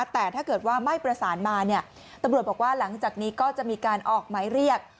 แต่ถ้าเกิดว่าไม่ประสานมาตำรวจบอกว่าหลังจากนี้ก็จะมีการออกหมายเรียก